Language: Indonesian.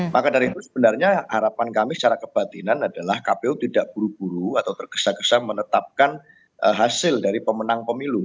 maka dari itu sebenarnya harapan kami secara kebatinan adalah kpu tidak buru buru atau tergesa gesa menetapkan hasil dari pemenang pemilu